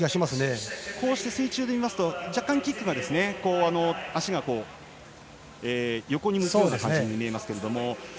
こうして水中で見ますと、若干足が、横に抜くような感じに見えますが。